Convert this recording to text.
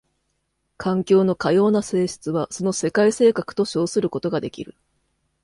環境のかような性質はその世界性格と称することができる。